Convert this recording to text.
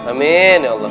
amin ya allah